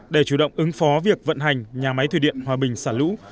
để chủ động ứng phó việc vận hành nhà máy thủy điện hòa bình xả lũ